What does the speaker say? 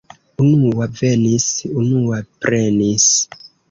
Unua venis, unua prenis.